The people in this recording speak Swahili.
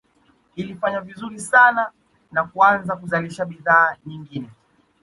Ilifanya vizuri sana na kuanza kuzalisha bidhaa nyingine